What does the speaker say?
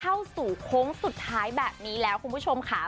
เข้าสู่โค้งสุดท้ายแบบนี้แล้วคุณผู้ชมค่ะ